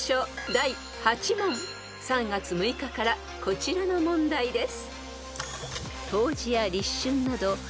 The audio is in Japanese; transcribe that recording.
［第８問３月６日からこちらの問題です］